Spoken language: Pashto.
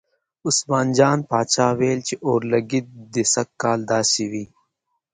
عثمان جان پاچا ویل چې اورلګید دې سږ کال داسې وي.